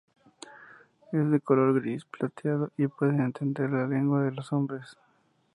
Es de color gris plateado y puede entender la lengua de los hombres.